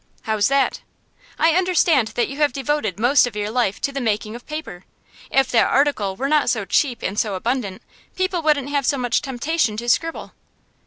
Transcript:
'How's that?' 'I understand that you have devoted most of your life to the making of paper. If that article were not so cheap and so abundant, people wouldn't have so much temptation to scribble.